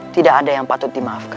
tidak ada yang patut dimaafkan